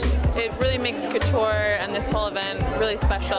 jadi ini benar benar membuat kutur dan seluruh acara ini sangat istimewa